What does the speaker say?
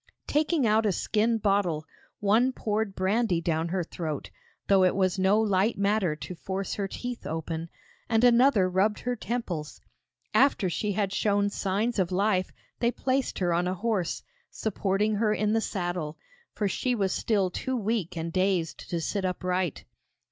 Taking out a skin bottle, one poured brandy down her throat though it was no light matter to force her teeth open and another rubbed her temples. After she had shown signs of life they placed her on a horse, supporting her in the saddle, for she was still too weak and dazed to sit upright.